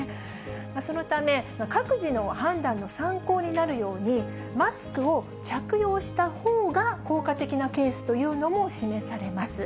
そのため、各自の判断に参考になるように、マスクを着用したほうが効果的なケースというのも示されます。